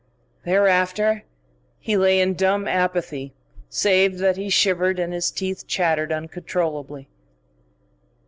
Thereafter he lay in dumb apathy, save that he shivered and his teeth chattered uncontrollably.